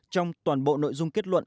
trong toàn bộ nội dung kết luận